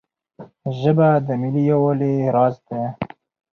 ژبه د ملي یووالي راز دی.